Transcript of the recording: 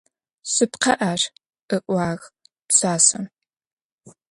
Шъыпкъэ ар,— ыӏуагъ пшъашъэм.